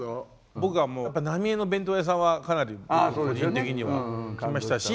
僕はもう浪江の弁当屋さんはかなり個人的にはきましたし